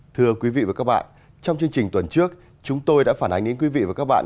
thưa quý vị và các bạn trong chương trình tuần trước chúng tôi đã phản ánh đến quý vị và các bạn